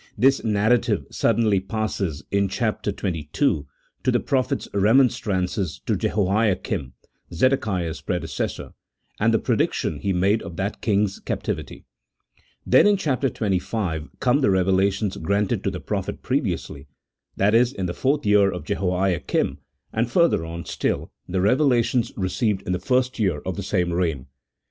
This narrative suddenly passes, in chap xxii., to the prophet's remonstrances to Jehoiakim (Zedekiah's predecessor), and the prediction he made of that king's cap tivity ; then, in chap, xxv., come the revelations granted to the prophet previously, that is in the fourth year of Je hoiakim, and, further on still, the revelations received in 148 A THEOLOGMCO POLITICAL TREATISE. [CHAP. X. the first year of the same reign.